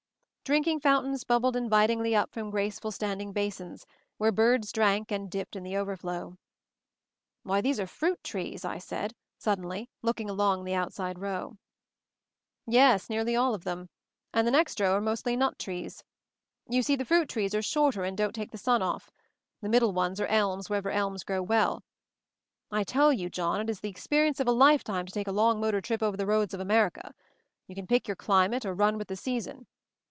Drinking fountains bubbled invitingly up from graceful standing basins, where birds drank and dipped in the overflow. "Why, these are fruit trees," I said sud denly, looking along the outside row. "Yes, nearly all of them, and the next row are mostly nut trees. You see, the fruit trees are shorter and don't take the sun off. The middle ones are elms wherever elms grow well. I tell you, John, it is the experience of a lifetime to take a long motor trip over the roads of Ajnerica! You can pick your climate, or run with the season.